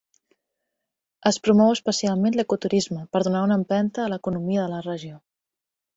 Es promou especialment l'ecoturisme per donar una empenta a l'economia de la regió.